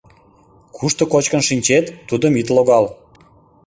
— Кушто кочкын шинчет, тудым ит логал!